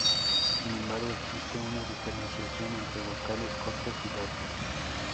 Sin embargo, existe una diferenciación entre vocales cortas y largas.